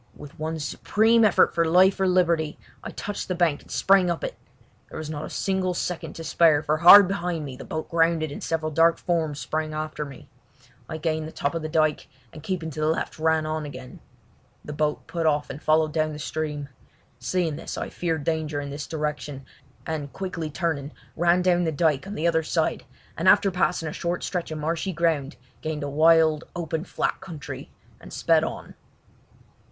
With one supreme effort for life or liberty I touched the bank and sprang up it. There was not a single second to spare, for hard behind me the boat grounded and several dark forms sprang after me. I gained the top of the dyke, and keeping to the left ran on again. The boat put off and followed down the stream. Seeing this I feared danger in this direction, and quickly turning, ran down the dyke on the other side, and after passing a short stretch of marshy ground gained a wild, open flat country and sped on.